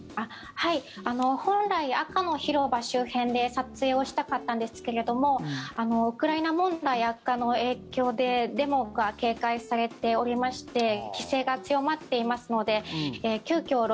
本来、赤の広場周辺で撮影をしたかったんですけれどもウクライナ問題悪化の影響でデモが警戒されておりまして規制が強まっていますので急きょ